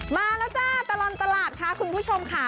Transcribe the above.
มาแล้วจ้าตลอดตลาดค่ะคุณผู้ชมค่ะ